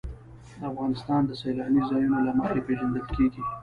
افغانستان د سیلانی ځایونه له مخې پېژندل کېږي.